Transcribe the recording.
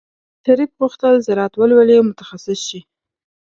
شریف غوښتل زراعت ولولي او متخصص شي.